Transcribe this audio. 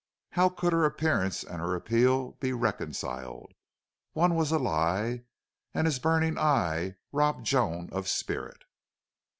How could her appearance and her appeal be reconciled? One was a lie! And his burning eyes robbed Joan of spirit.